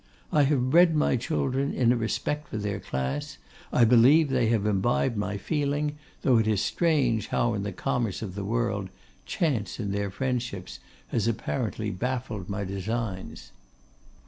I have bred my children in a respect for their class. I believe they have imbibed my feeling; though it is strange how in the commerce of the world, chance, in their friendships, has apparently baffled my designs.